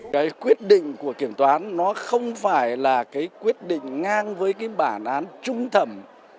cái quyết định của kiểm toán nó không phải là cái quyết định ngang với cái bản án trung thẩm